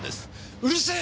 うるせえよ！